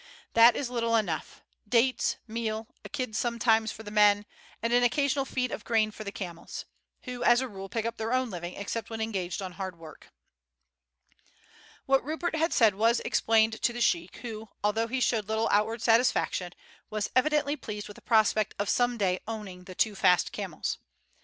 That is little enough: dates, meal, a kid sometimes for the men, and an occasional feed of grain for the camels, who as a rule pick up their own living except when engaged on hard work." What Rupert had said was explained to the sheik, who, although he showed little outward satisfaction, was evidently pleased with the prospect of some day owning the two fast camels.